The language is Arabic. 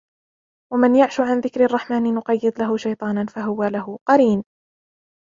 ومن يعش عن ذكر الرحمن نقيض له شيطانا فهو له قرين